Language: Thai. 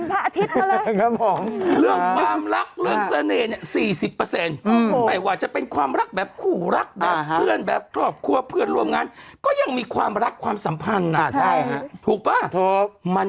ต่อทางมูลนายก็คำว่ามูลเตรียมรู้ก็มาจากคุณแม่